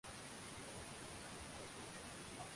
Mwenyeji aliwakaribisha wageni sebuleni